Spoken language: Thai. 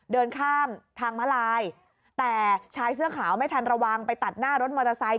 เดินข้ามทางมาลายแต่ชายเสื้อขาวไม่ทันระวังไปตัดหน้ารถมอเตอร์ไซค